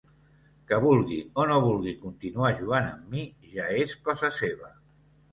Que vulgui o no vulgui continuar jugant amb mi ja és cosa seva.